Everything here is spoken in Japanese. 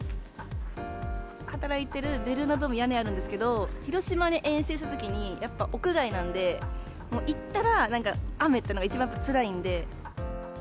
働いているベルーナドームは屋根があるんですけど、広島に遠征したときに、やっぱ屋外なんで、もう行ったら、なんか雨っていうのが一番つらいんで。